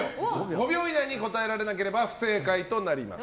５秒以内に答えられなければ不正解となります。